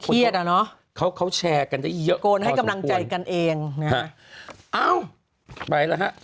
อ่ะเนอะเขาเขาแชร์กันได้เยอะโกนให้กำลังใจกันเองนะฮะเอ้าไปแล้วฮะ